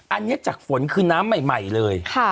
อันนี้จากฝนคือน้ำใหม่เลย